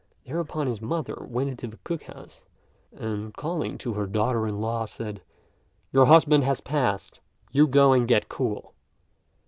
Thereupon his mother went into the cook house, and, calling to her daughter in law, said, "Your husband has passed; you go and get cool."